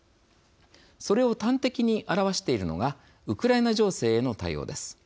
それを端的に表しているのがウクライナ情勢への対応です。